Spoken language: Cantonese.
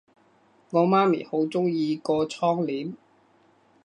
我媽咪好鍾意個窗簾